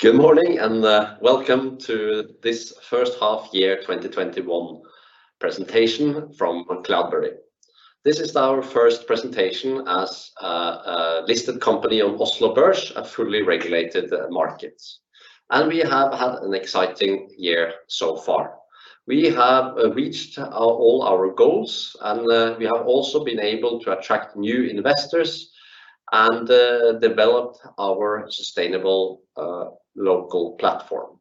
Good morning, welcome to this first half year 2021 presentation from Cloudberry. This is our first presentation as a listed company on Oslo Børs, a fully regulated markets. We have had an exciting year so far. We have reached all our goals, and we have also been able to attract new investors and develop our sustainable local platform.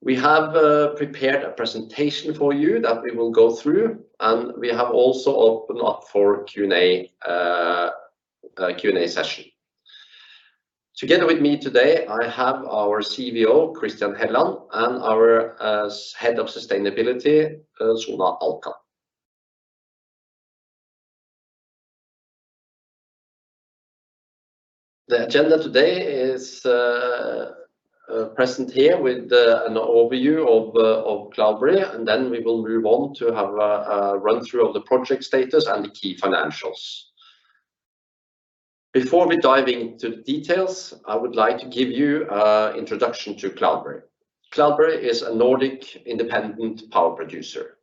We have prepared a presentation for you that we will go through, and we have also opened up for Q&A session. Together with me today, I have our CVO, Christian Helland, and our Head of Sustainability, Suna Alkan. The agenda today is present here with an overview of Cloudberry, and then we will move on to have a run-through of the project status and the key financials. Before we dive into the details, I would like to give you a introduction to Cloudberry. Cloudberry is a Nordic independent power producer.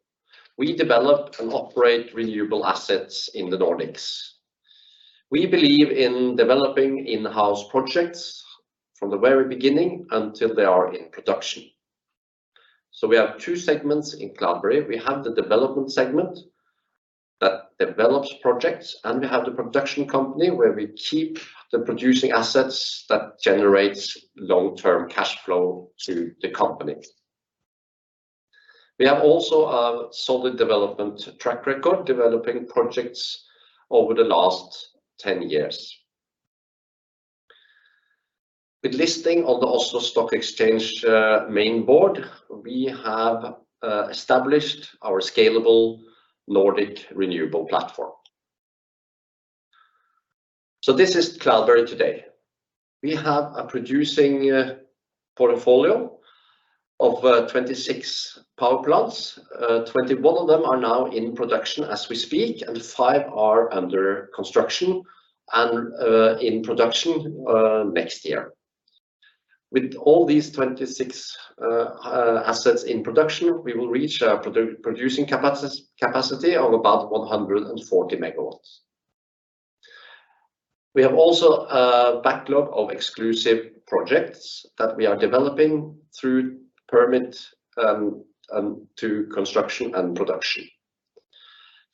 We develop and operate renewable assets in the Nordics. We believe in developing in-house projects from the very beginning until they are in production. We have two segments in Cloudberry. We have the development segment that develops projects, and we have the production company, where we keep the producing assets that generates long-term cash flow to the company. We have also a solid development track record, developing projects over the last 10 years. With listing on the Oslo Stock Exchange main board, we have established our scalable Nordic renewable platform. This is Cloudberry today. We have a producing portfolio of 26 power plants. 21 of them are now in production as we speak, and five are under construction and in production next year. With all these 26 assets in production, we will reach a producing capacity of about 140 MW. We have also a backlog of exclusive projects that we are developing through permit, and to construction and production.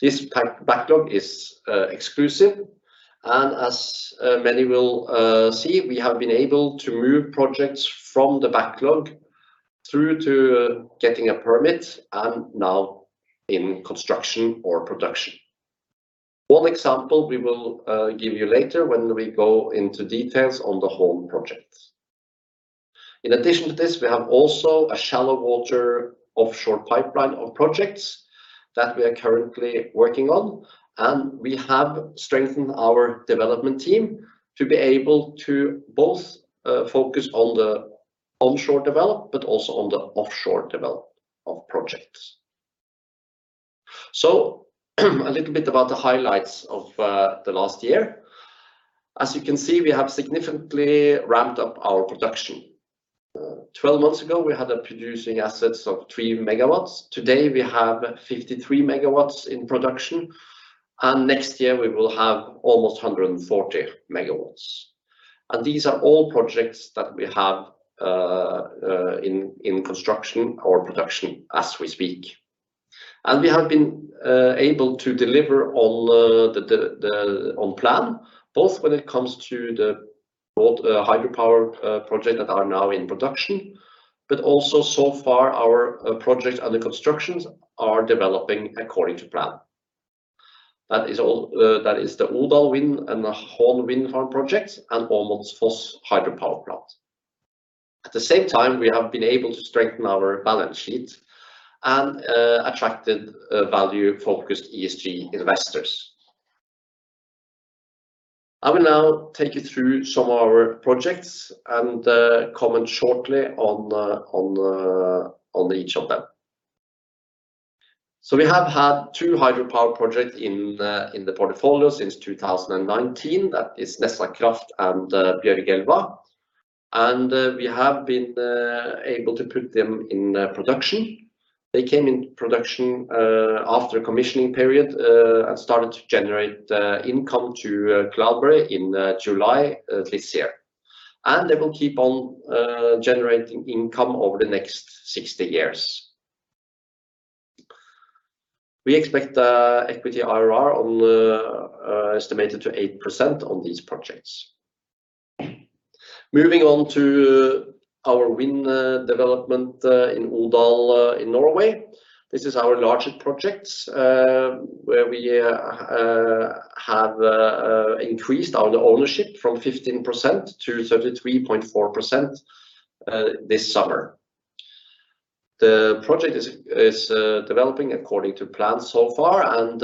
This backlog is exclusive, and as many will see, we have been able to move projects from the backlog through to getting a permit, and now in construction or production. One example we will give you later when we go into details on the whole project. In addition to this, we have also a shallow water offshore pipeline of projects that we are currently working on, and we have strengthened our development team to be able to both focus on the onshore development, but also on the offshore development of projects. A little bit about the highlights of the last year. As you can see, we have significantly ramped up our production. 12 months ago, we had a producing assets of 3 MW. Today, we have 53 MW in production. Next year we will have almost 140 MW. These are all projects that we have in construction or production as we speak. We have been able to deliver on plan, both when it comes to the both hydropower projects that are now in production, but also so far our projects under construction are developing according to plan. That is the Odal wind and the Hån wind farm projects and Åmotsfoss hydropower plant. At the same time, we have been able to strengthen our balance sheet and attracted value-focused ESG investors. I will now take you through some of our projects and comment shortly on each of them. We have had two hydropower projects in the portfolio since 2019. That is Nessakraft and Bjørgelva. We have been able to put them in production. They came in production after a commissioning period and started to generate income to Cloudberry in July this year. They will keep on generating income over the next 60 years. We expect equity IRR on the estimated to 8% on these projects. Moving on to our wind development in Odal in Norway. This is our largest project, where we have increased our ownership from 15% to 33.4% this summer. The project is developing according to plan so far, and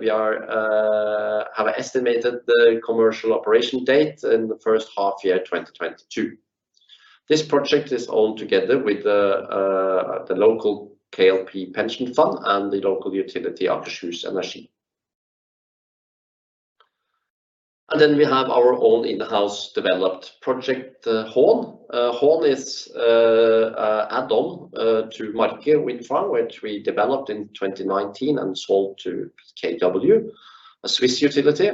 we have estimated the commercial operation date in the first half year 2022. This project is all together with the local KLP pension fund and the local utility, Akershus Energi. Then we have our own in-house developed project, Hån. Hån is add-on to Marker wind farm, which we developed in 2019 and sold to BKW, a Swiss utility.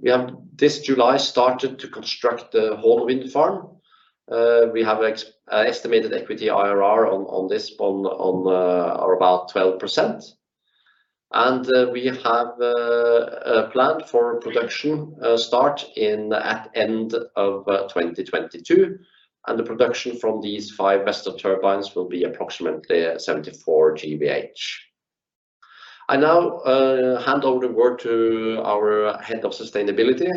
We have this July started to construct the Hån wind farm. We have estimated equity IRR on this on or about 12%, and we have a plan for production start at end of 2022, and the production from these five Vestas turbines will be approximately 74 GWh. I now hand over word to our Head of Sustainability,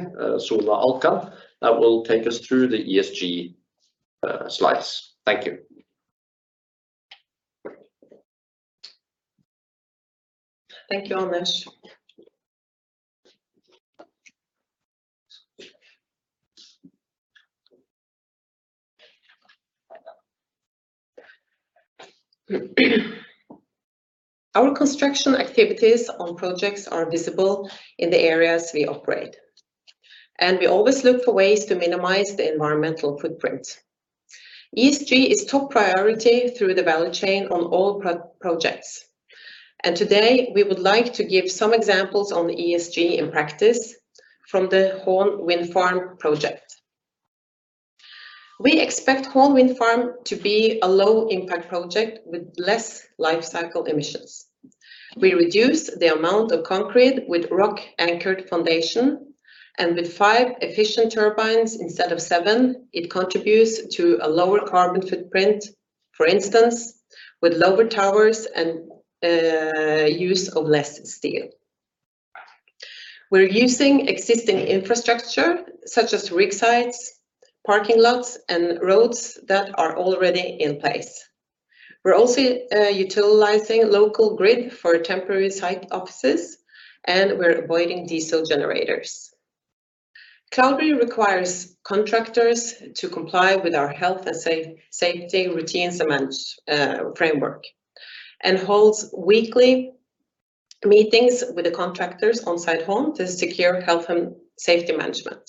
Suna Alkan, that will take us through the ESG slides. Thank you. Thank you, Anders. Our construction activities on projects are visible in the areas we operate, and we always look for ways to minimize the environmental footprint. ESG is top priority through the value chain on all projects, and today we would like to give some examples on ESG in practice from the Hån wind farm project. We expect Hån wind farm to be a low impact project with less life cycle emissions. We reduce the amount of concrete with rock anchored foundation, and with five efficient turbines instead of seven, it contributes to a lower carbon footprint. For instance, with lower towers and use of less steel. We're using existing infrastructure such as rig sites, parking lots, and roads that are already in place. We're also utilizing local grid for temporary site offices, and we're avoiding diesel generators. Cloudberry requires contractors to comply with our health and safety routines and manage framework, and holds weekly meetings with the contractors on site home to secure health and safety management.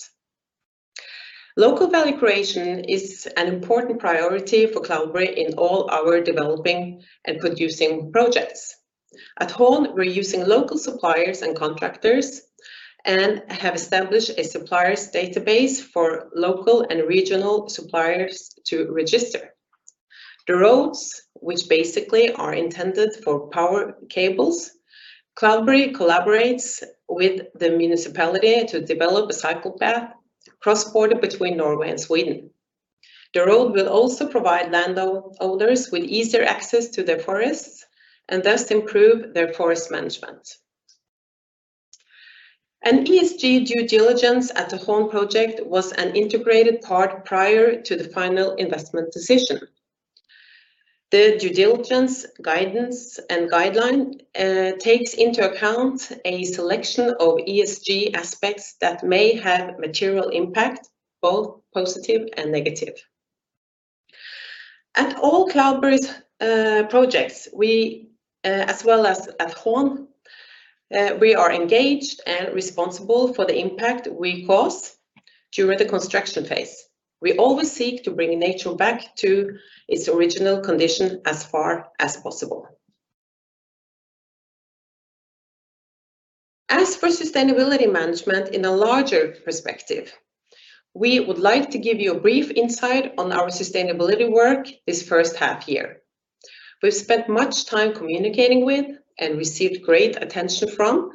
Local value creation is an important priority for Cloudberry in all our developing and producing projects. At Hån, we're using local suppliers and contractors and have established a suppliers database for local and regional suppliers to register. The roads, which basically are intended for power cables, Cloudberry collaborates with the municipality to develop a cycle path cross border between Norway and Sweden. The road will also provide landowners with easier access to their forests, and thus improve their forest management. An ESG due diligence at the Hån project was an integrated part prior to the final investment decision. The due diligence guidance and guideline takes into account a selection of ESG aspects that may have material impact, both positive and negative. At all Cloudberry's projects, as well as at Hån, we are engaged and responsible for the impact we cause during the construction phase. We always seek to bring nature back to its original condition as far as possible. As for sustainability management in a larger perspective, we would like to give you a brief insight on our sustainability work this first half year. We've spent much time communicating with, and received great attention from,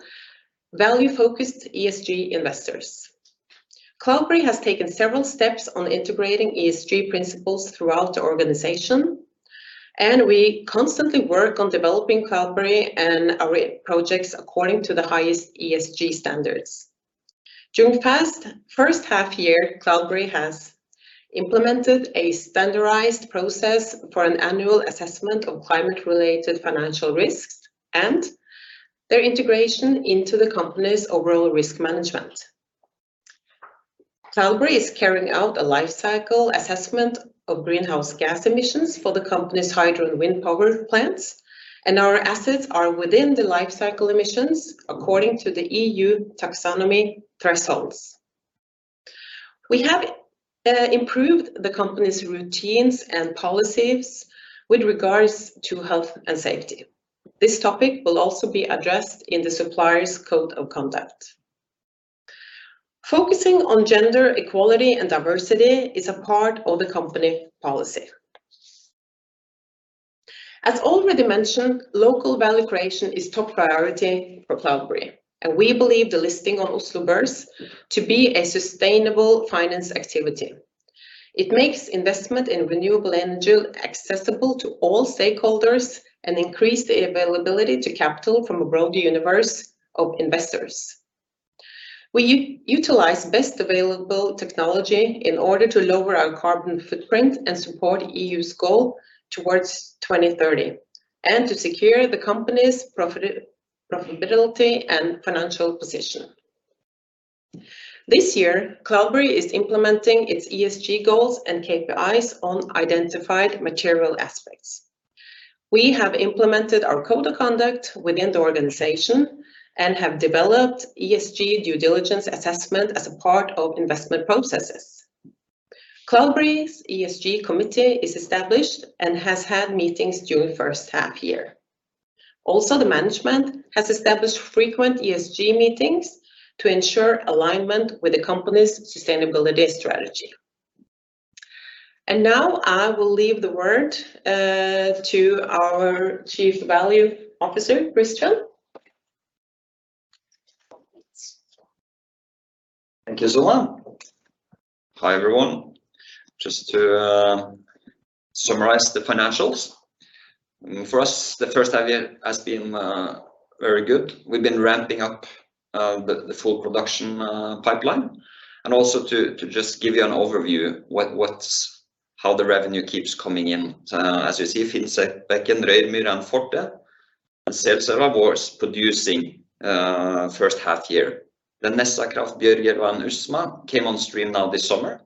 value-focused ESG investors. Cloudberry has taken several steps on integrating ESG principles throughout the organization, and we constantly work on developing Cloudberry and our projects according to the highest ESG standards. During first half year, Cloudberry has implemented a standardized process for an annual assessment of climate related financial risks and their integration into the company's overall risk management. Cloudberry is carrying out a life cycle assessment of greenhouse gas emissions for the company's hydro and wind power plants, and our assets are within the life cycle emissions according to the EU taxonomy thresholds. We have improved the company's routines and policies with regards to health and safety. This topic will also be addressed in the suppliers code of conduct. Focusing on gender equality and diversity is a part of the company policy. As already mentioned, local value creation is top priority for Cloudberry, and we believe the listing on Oslo Børs to be a sustainable finance activity. It makes investment in renewable energy accessible to all stakeholders and increase the availability to capital from a broader universe of investors. We utilize best available technology in order to lower our carbon footprint and support EU's goal towards 2030, and to secure the company's profitability and financial position. This year, Cloudberry is implementing its ESG goals and KPIs on identified material aspects. We have implemented our code of conduct within the organization and have developed ESG due diligence assessment as a part of investment processes. Cloudberry's ESG committee is established and has had meetings during the first half year. Also, the management has established frequent ESG meetings to ensure alignment with the company's sustainability strategy. Now I will leave the word to our Chief Value Officer, Christian. Thank you, Iselin. Hi, everyone. Just to summarize the financials. For us, the first half year has been very good. We've been ramping up the full production pipeline. Also to just give you an overview how the revenue keeps coming in. As you see, Finsetbekken, Røymyr and Forte, and Selselva was producing first half year. Nessakraft, Bjørgelva and Usma came on stream now this summer.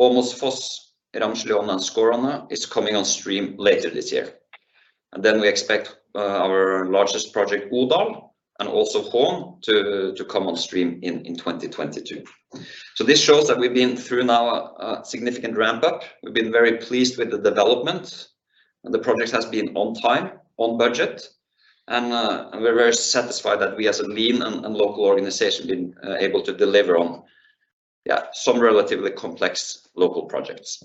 Åmotsfoss, Ramsliåna and Skåråna is coming on stream later this year. We expect our largest project, Odal, and also Hån, to come on stream in 2022. This shows that we've been through now a significant ramp-up. We've been very pleased with the development. The project has been on time, on budget, and we're very satisfied that we as a lean and local organization have been able to deliver on some relatively complex local projects.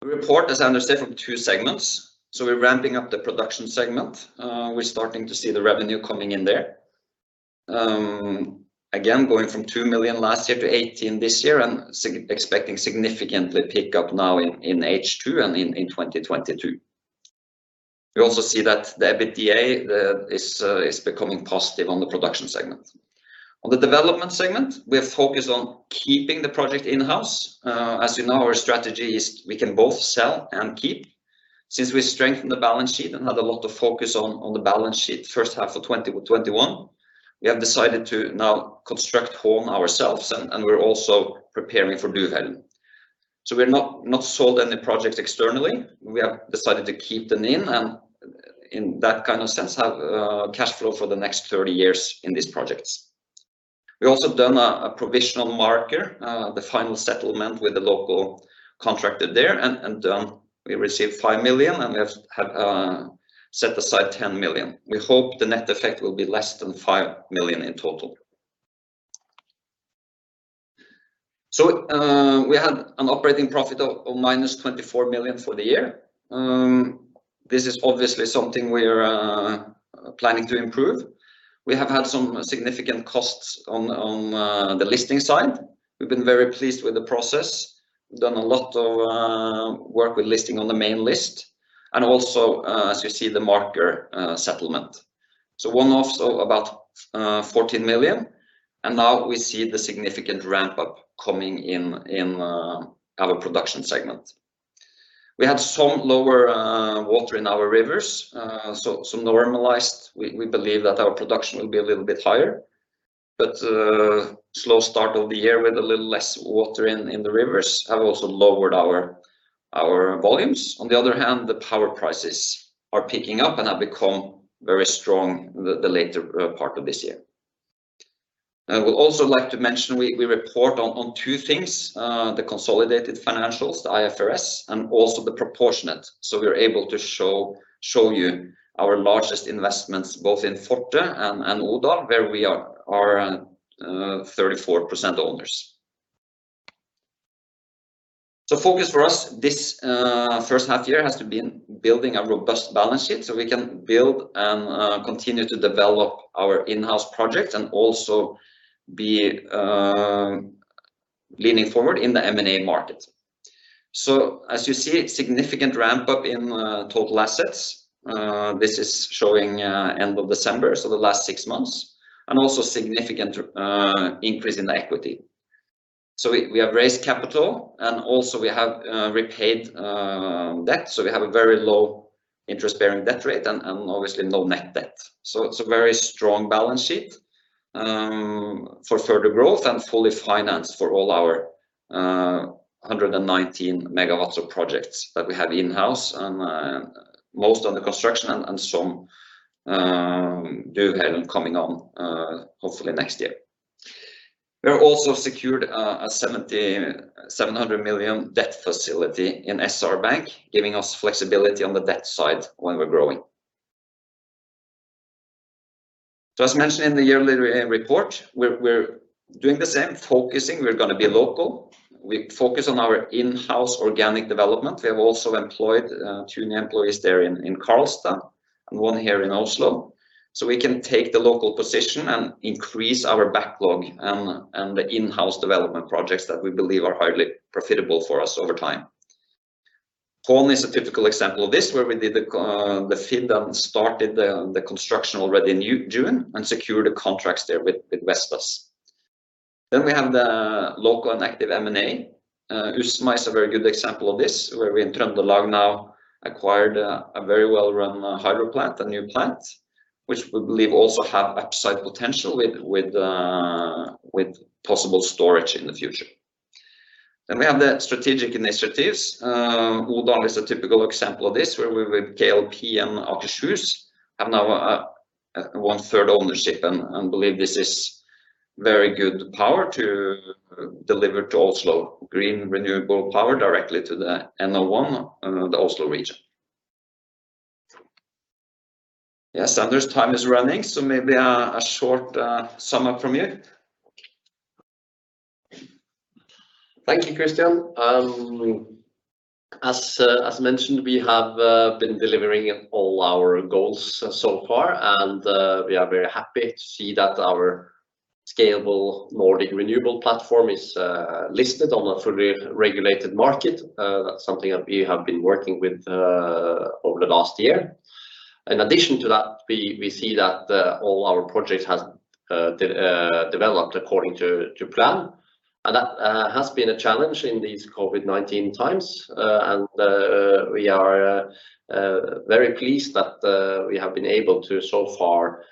The report is understood from two segments. We're ramping up the production segment. We're starting to see the revenue coming in there. Again, going from 2 million last year to 18 million this year and expecting significantly pick up now in H2 and in 2022. We also see that the EBITDA is becoming positive on the production segment. On the development segment, we have focused on keeping the project in-house. As you know, our strategy is we can both sell and keep. Since we strengthened the balance sheet and had a lot of focus on the balance sheet the first half of 2021, we have decided to now construct Hån ourselves, and we're also preparing for Duvhällen. We've not sold any projects externally. We have decided to keep them in, and in that kind of sense, have cash flow for the next 30 years in these projects. We've also done a provisional Marker, the final settlement with the local contractor there, and we received 5 million, and we have set aside 10 million. We hope the net effect will be less than 5 million in total. We had an operating profit of -24 million for the year. This is obviously something we're planning to improve. We have had some significant costs on the listing side. We've been very pleased with the process. We've done a lot of work with listing on the main list, and also, as you see, the Marker settlement. One-off, so about 14 million, and now we see the significant ramp-up coming in our production segment. We had some lower water in our rivers, so normalized, we believe that our production will be a little bit higher. Slow start of the year with a little less water in the rivers have also lowered our volumes. On the other hand, the power prices are picking up and have become very strong the later part of this year. I would also like to mention, we report on two things, the consolidated financials, the IFRS, and also the proportionate. We're able to show you our largest investments, both in Forte and Odal, where we are 34% owners. Focus for us this first half year has been building a robust balance sheet so we can build and continue to develop our in-house projects and also be leaning forward in the M&A market. As you see, a significant ramp-up in total assets. This is showing end of December, so the last six months. Also significant increase in the equity. We have raised capital and also we have repaid debt. We have a very low interest-bearing debt rate and obviously no net debt. It's a very strong balance sheet for further growth and fully financed for all our 119 megawatts of projects that we have in-house, and most under construction and some, Duvhällen, coming on hopefully next year. We have also secured a 700 million debt facility in SR Bank, giving us flexibility on the debt side when we're growing. As mentioned in the yearly report, we're doing the same, focusing, we're going to be local. We focus on our in-house organic development. We have also employed two new employees there in Karlstad and one here in Oslo, we can take the local position and increase our backlog and the in-house development projects that we believe are highly profitable for us over time. Hån is a typical example of this, where we did the feed and started the construction already in June and secured the contracts there with Vestas. We have the local and active M&A. Usma is a very good example of this, where we in Trøndelag now acquired a very well-run hydro plant, a new plant, which we believe also have upside potential with possible storage in the future. We have the strategic initiatives. Odal is a typical example of this, where we, with KLP and Akershus, have now 1/3 ownership and believe this is very good power to deliver to Oslo. Green renewable power directly to the NO1, the Oslo region. Yes, Anders, time is running. Maybe a short sum-up from you. Thank you, Christian. As mentioned, we have been delivering all our goals so far, and we are very happy to see that our scalable Nordic renewable platform is listed on a fully regulated market. That's something that we have been working with over the last year. In addition to that, we see that all our projects has developed according to plan, and that has been a challenge in these COVID-19 times. We are very pleased that we have been able to, so far,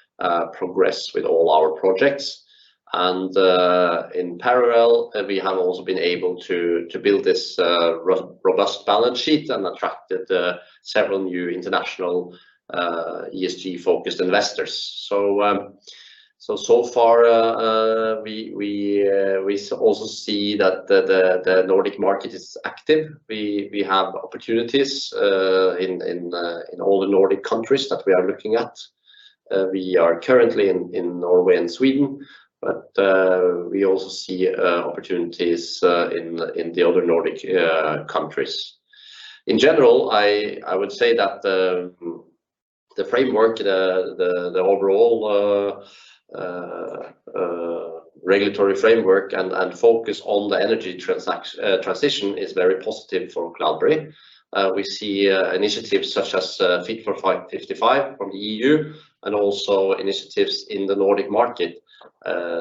progress with all our projects. In parallel, we have also been able to build this robust balance sheet and attracted several new international ESG-focused investors. So far, we also see that the Nordic market is active. We have opportunities in all the Nordic countries that we are looking at. We are currently in Norway and Sweden. We also see opportunities in the other Nordic countries. In general, I would say that the framework, the overall regulatory framework and focus on the energy transition is very positive for Cloudberry. We see initiatives such as Fit for 55 from the EU. Also initiatives in the Nordic market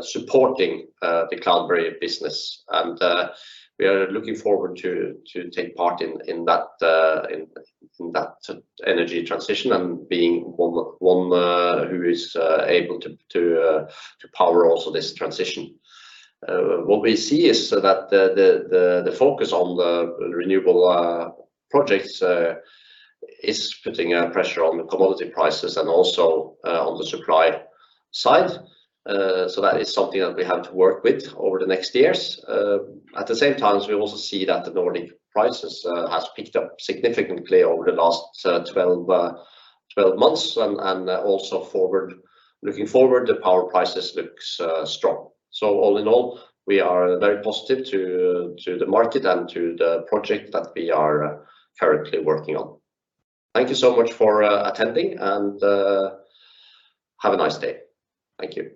supporting the Cloudberry business. We are looking forward to take part in that energy transition and being one who is able to power also this transition. What we see is that the focus on the renewable projects is putting a pressure on the commodity prices and also on the supply side. That is something that we have to work with over the next years. At the same time, we also see that the Nordic prices has picked up significantly over the last 12 months, and also looking forward, the power prices looks strong. All in all, we are very positive to the market and to the project that we are currently working on. Thank you so much for attending and have a nice day. Thank you.